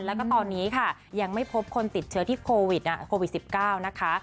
แล้วก็ตอนนี้ค่ะยังไม่พบคนติดเชื้อที่โควิดโควิด๑๙นะคะ